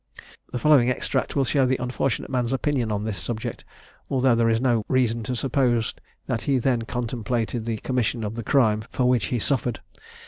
The following extract will show the unfortunate man's opinion on this subject, although there is no reason to suppose that he then contemplated the commission of the crime for which he suffered.